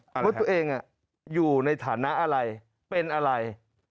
ว่าตัวเองอยู่ในฐานะอะไรเป็นอะไร